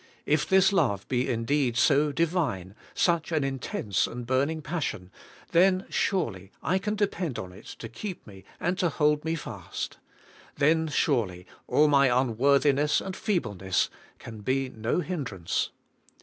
If this love be indeed so Divine, such an intense and burning passion, then surely I can depend on it to keep me and to hold me fast. Then surely all myunworthiness and feebleness can be no hindrance.